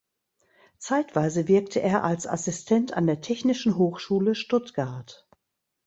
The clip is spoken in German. Zeitweise wirkte er als Assistent an der Technischen Hochschule Stuttgart.